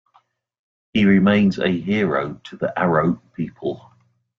He remains a hero to the Aro people.